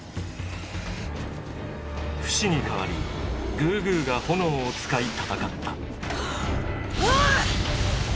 フシに代わりグーグーが炎を使い戦った。